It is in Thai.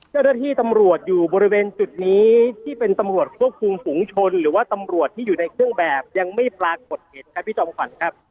เจ้าหน้าที่ตำรวจอยู่บริเวณจุดนี้ที่เป็นตำรวจควบคุมฝุงชนหรือว่าตำรวจที่อยู่ในเครื่องแบบยังไม่ปรากฏเห็นครับพี่จอมขวัญครับ